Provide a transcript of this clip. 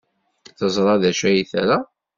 Teẓra d acu ay tra.